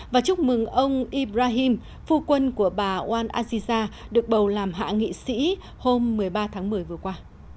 và chúc mừng ông ibrahim phu quân của bà oan aziza được bầu làm hạ nghị sĩ hôm một mươi ba tháng một mươi vừa qua